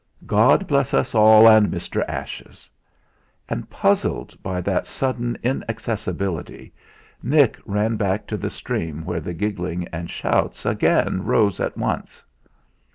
"God bless us all, and Mr. Ashes!" And puzzled by that sudden inaccessibility, Nick ran back to the stream where the giggling and shouts again uprose at once.